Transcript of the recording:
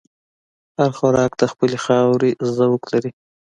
هر خوراک د خپلې خاورې ذوق لري.